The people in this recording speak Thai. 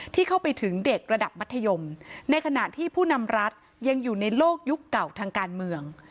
ที่เข้าไปถึงเด็กระดับมัธยมในขณะที่ผู้นำรัฐยังอยู่ในโลกยุคเก่าทางการเมือง